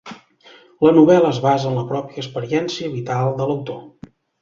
La novel·la es basa en la pròpia experiència vital de l'autor.